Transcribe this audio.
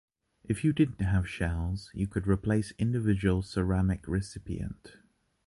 If you don’t have shells, you could replace individual ceramic recipient.